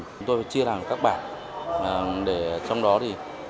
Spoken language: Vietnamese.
chúng tôi chia ra các bảng để trong đó thì